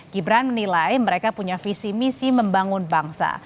gibran menilai mereka punya visi misi membangun bangsa